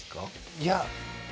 いや。